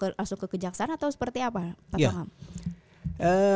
langsung ke kejaksaan atau seperti apa pak tengam